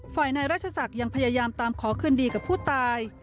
ฝ่ายนายราชศักดิ์ยังพยายามตามขอคืนดีกับผู้ตาย